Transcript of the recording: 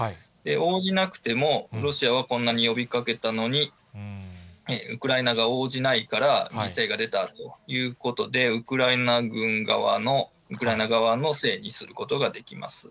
応じなくても、ロシアはこんなに呼びかけたのに、ウクライナが応じないから、犠牲が出たということで、ウクライナ軍側の、ウクライナ側のせいにすることができます。